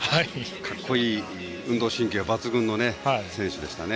格好いい、運動神経抜群の選手でしたね。